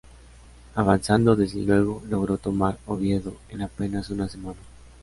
Avanzando desde Lugo, logró tomar Oviedo en apenas una semana.